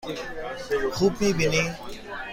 خوب می بینی؟